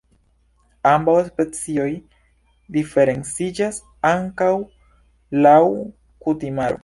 Ambaŭ specioj diferenciĝas ankaŭ laŭ kutimaro.